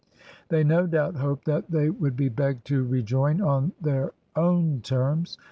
They no doubt hoped that they would be begged to rejoin on their own terms.